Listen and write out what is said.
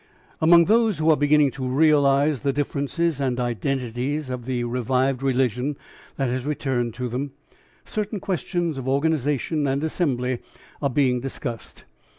Among those who are beginning to realise the differences and identities of the revived religion that has returned to them, certain questions of organisation and assembly are being discussed.